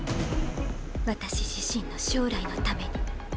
私自身の将来のために。